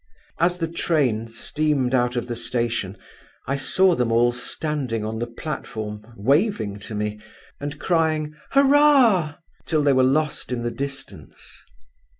As the train steamed out of the station, I saw them all standing on the platform waving to me and crying 'Hurrah!' till they were lost in the distance.